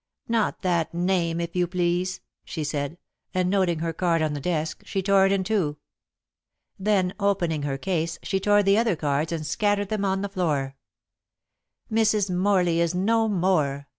"Not that name, if you please," she said, and noting her card on the desk she tore it in two. Then opening her case she tore the other cards and scattered them on the floor. "Mrs. Morley is no more.